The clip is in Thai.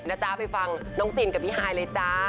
ก่อนจะไปฟังน้องจินกับพี่หายเลยจ๊ะ